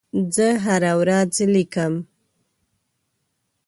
زه هره ورځ لیکم.